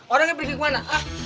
orangnya pergi kemana